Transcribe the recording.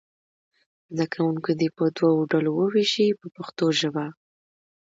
زده کوونکي دې په دوو ډلو وویشئ په پښتو ژبه.